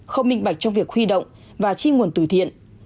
không minh bạch trong việc huy động và chi nguồn từ thiện